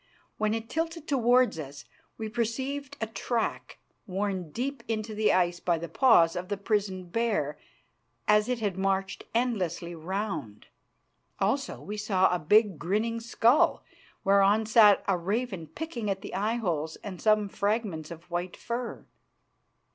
When it tilted towards us we perceived a track worn deep into the ice by the paws of the prisoned bear as it had marched endlessly round. Also we saw a big grinning skull, whereon sat a raven picking at the eye holes, and some fragments of white fur.